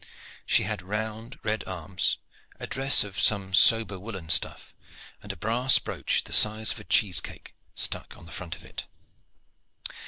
She had round red arms, a dress of some sober woollen stuff, and a brass brooch the size of a cheese cake stuck in the front of it.